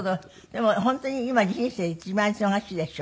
でも本当に今人生で一番忙しいでしょ？